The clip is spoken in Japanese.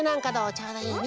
ちょうどいいね。